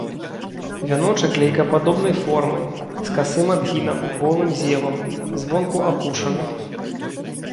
Вяночак лейкападобнай формы, з касым адгінам, голым зевам, звонку апушаны.